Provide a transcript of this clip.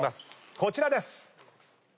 こちらです。